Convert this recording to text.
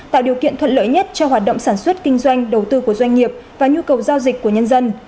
tạo điều kiện thuận lợi nhất cho hoạt động sản xuất kinh doanh đầu tư của doanh nghiệp và nhu cầu giao dịch của nhân dân